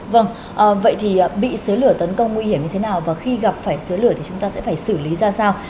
vâng vậy thì bị xứ lửa tấn công nguy hiểm như thế nào và khi gặp phải xứ lửa thì chúng ta sẽ phải xử lý ra sao